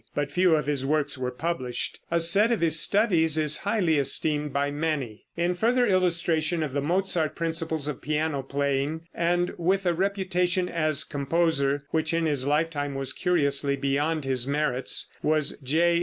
But few of his works were published. A set of his studies is highly esteemed by many. In further illustration of the Mozart principles of piano playing, and with a reputation as composer, which in his lifetime was curiously beyond his merits, was J.